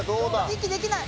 息できない